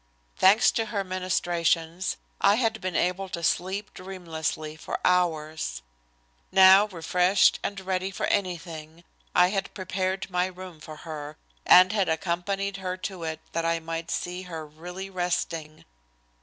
Thanks to her ministrations I had been able to sleep dreamlessly for hours. Now refreshed and ready for anything, I had prepared my room for her, and had accompanied her to it that I might see her really resting.